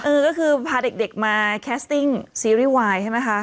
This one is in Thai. เออก็คือพาเด็กมาแคสติ้งซีรีส์วายใช่ไหมคะ